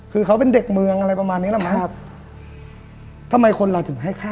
เค้าเป็นเด็กเมืองอะไรประมาณนี้นะจ๊ะ